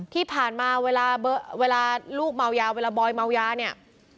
ที่ผ่านมาเวลาลูกเมายาเวลาบอยเมายาเนี่ย